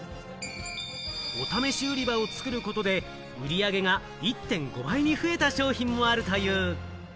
お試し売り場を作ることで売り上げが１．５倍に増えた商品もあるという。